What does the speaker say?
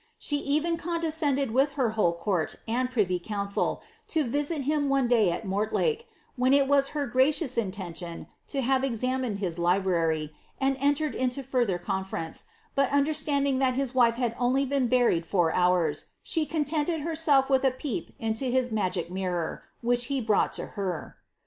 She even condescended with her whole eoart and privy council to visit him one day at Mortlake, when it was her gracious intention to have examined his library, and entered into farther conference, but understanding that his wife had only been buried four hours, she contented herself with a peep into his magic mirror, which he brought to her.